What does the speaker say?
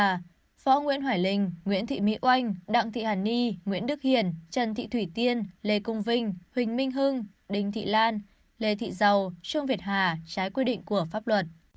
và võ nguyễn hoài linh nguyễn thị mỹ oanh đặng thị hàn ni nguyễn đức hiền trần thị thủy tiên lê công vinh huỳnh minh hưng đình thị lan lê thị giàu trương việt hà trái quy định của pháp luật